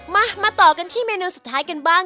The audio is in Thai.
มาเมือนุสุดท้ายกันบ้าง